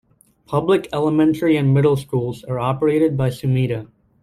Public elementary and middle schools are operated by Sumida.